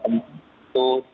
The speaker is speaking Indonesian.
berapa penuh itu